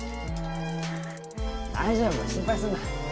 大丈夫心配すんな。